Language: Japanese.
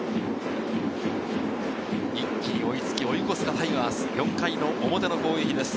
一気に追いつき追い越せのタイガース、４回表の攻撃です。